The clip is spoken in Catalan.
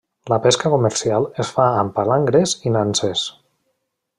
La pesca comercial es fa amb palangres i nanses.